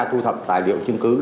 thu thập tài liệu chứng cứ